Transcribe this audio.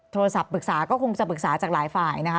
โทรศัพท์ปรึกษาก็คงจะปรึกษาจากหลายฝ่ายนะคะ